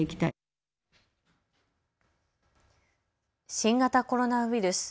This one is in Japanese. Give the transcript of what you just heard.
新型コロナウイルス。